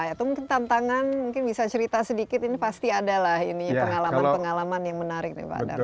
atau mungkin tantangan mungkin bisa cerita sedikit ini pasti adalah pengalaman pengalaman yang menarik nih pak darma